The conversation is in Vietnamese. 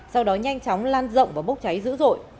sau đó nhanh chóng lan rộng và bốc cháy dữ dội